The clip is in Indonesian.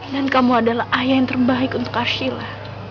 dan kamu adalah ayah yang terbaik untuk arsila